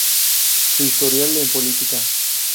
Su historial en política.